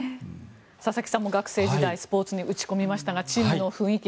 佐々木さんも学生時代スポーツに打ち込みましたがチームの雰囲気